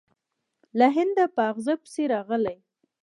له هنده په غزا پسې راغلی.